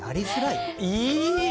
いい！